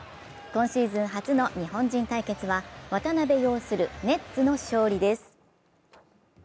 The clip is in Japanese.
今シーズン初の日本人対決は渡邊擁するネッツの勝利です。